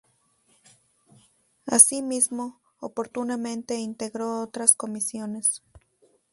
Asimismo, oportunamente integró otras comisiones.